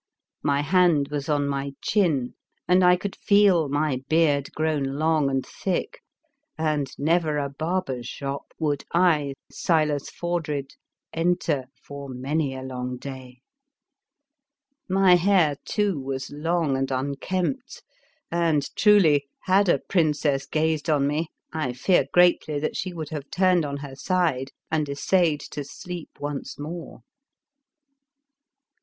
My hand was on my chin and I could feel my beard grown long and thick, and never a barber's shop would I, Silas Fordred, enter for many a long 41 The Fearsome Island day. My hair, too, was long and un kempt, and truly had a princess gazed on me, I fear greatly that she would have turned on her side and essayed to sleep once more.